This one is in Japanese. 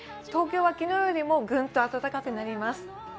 東京は昨日よりもぐんと暖かくなります。